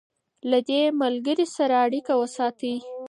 له دې ملګري سره اړیکه وساتئ.